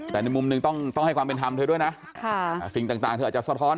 แต่ในมุมหนึ่งต้องให้ความเป็นธรรมเธอด้วยนะสิ่งต่างเธออาจจะสะท้อน